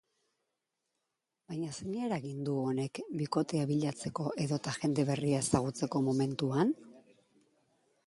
Baina zein eragin du honek bikotea bilatzeko edota jende berria ezagutzeko momentuan?